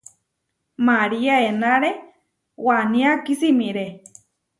María enáre wanía kisimiré.